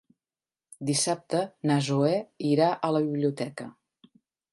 Dissabte na Zoè irà a la biblioteca.